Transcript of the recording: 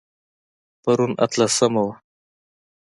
پرون اتلسمه وه